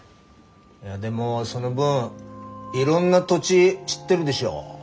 いやでもその分いろんな土地知ってるでしょう。